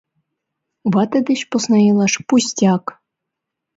«Вате деч посна илаш — пустяк!» —